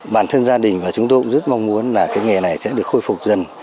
bản thân gia đình và chúng tôi cũng rất mong muốn là cái nghề này sẽ được khôi phục dần